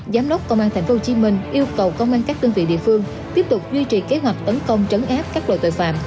giám đốc công an tp hcm yêu cầu công an các đơn vị địa phương tiếp tục duy trì kế hoạch tấn công trấn áp các loại tội phạm